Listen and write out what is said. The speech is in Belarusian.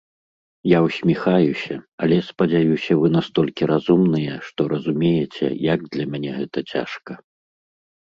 Я ўсміхаюся, але, спадзяюся, вы настолькі разумныя, што разумееце, як для мяне гэта цяжка.